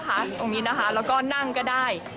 นอนก็ได้นะคะตรงนี้นะคะแล้วก็นั่งก็ได้